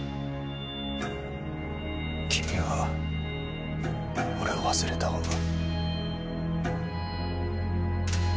君は俺を忘れた方が。